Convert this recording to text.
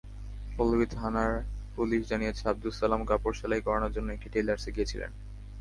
পল্লবী থানার পুলিশ জানিয়েছে, আবদুস সালাম কাপড় সেলাই করানোর জন্য একটি টেইলার্সে গিয়েছিলেন।